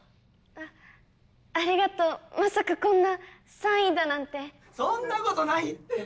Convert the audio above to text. あっありがとうまさかこんな３位だなんてそんなことないって！